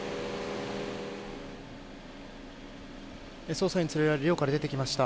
捜査員に連れられ寮から出てきました。